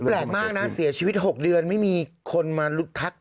แปลกมากนะเสียชีวิต๖เดือนไม่มีคนมาลุกทัก